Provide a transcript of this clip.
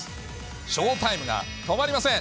賞タイムが止まりません。